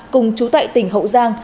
cùng chú tại tỉnh hậu giang